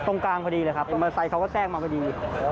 ตรงกลางพอดีเลยครับมอเตอร์ไซค์เขาก็แทรกมาพอดี